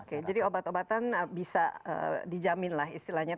oke jadi obat obatan bisa dijamin lah istilahnya